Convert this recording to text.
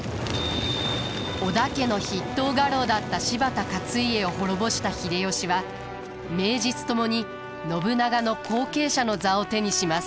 織田家の筆頭家老だった柴田勝家を滅ぼした秀吉は名実ともに信長の後継者の座を手にします。